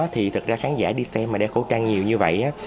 thì thật ra khán giả đi xem mà đeo khẩu trang nhiều như vậy á